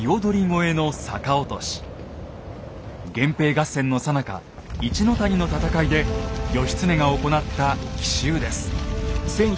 源平合戦のさなか一の谷の戦いで義経が行った奇襲です。